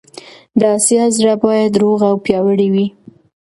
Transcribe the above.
د اسیا زړه باید روغ او پیاوړی وي.